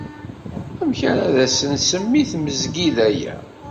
Amek ara ad asen-semmi i tmezgida-a?